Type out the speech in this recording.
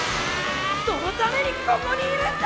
そのためにここにいるんだ！